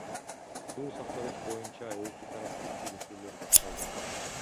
Суу сактагыч боюнча эки тараптуу сүйлөшүүлөр башталды.